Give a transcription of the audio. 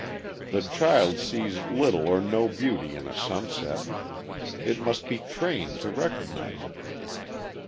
The child sees little or no beauty in a sunset; it must be trained to recognize it.